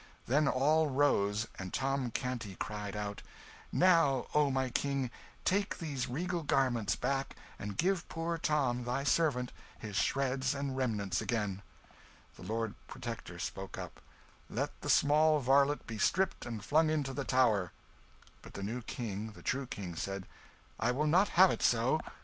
Then all rose, and Tom Canty cried out "Now, O my King, take these regal garments back, and give poor Tom, thy servant, his shreds and remnants again." The Lord Protector spoke up "Let the small varlet be stripped and flung into the Tower." But the new King, the true King, said "I will not have it so.